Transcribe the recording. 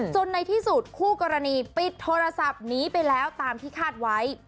ในที่สุดคู่กรณีปิดโทรศัพท์หนีไปแล้วตามที่คาดไว้